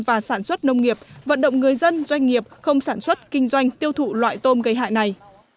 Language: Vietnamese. và sản xuất nông nghiệp vận động người dân doanh nghiệp không sản xuất kinh doanh tiêu thụ loại tôm gây hại này